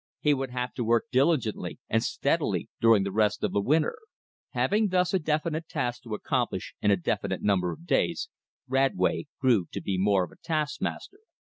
He would have to work diligently and steadily during the rest of the winter. Having thus a definite task to accomplish in a definite number of days, Radway grew to be more of a taskmaster.